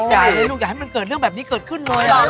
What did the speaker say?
อยากให้มันเกิดเรื่องแบบนี้เกิดขึ้นเลย